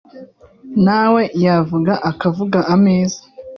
nawe yavuga akavuga ameza